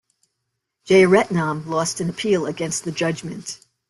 Jeyaretnam lost an appeal against the judgment.